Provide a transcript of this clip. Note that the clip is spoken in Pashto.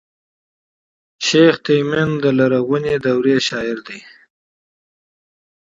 شېخ تیمن د لرغوني دورې شاعر دﺉ.